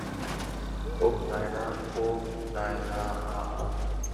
ওহ নায়না ও নায়নাআআ!